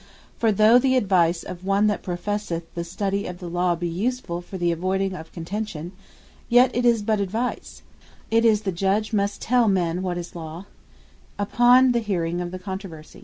For though the advice of one that professeth the study of the Law, be usefull for the avoyding of contention; yet it is but advice; tis the Judge must tell men what is Law, upon the hearing of the Controversy.